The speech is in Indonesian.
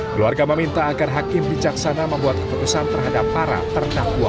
keluarga meminta agar hakim bijaksana membuat keputusan terhadap para terdakwa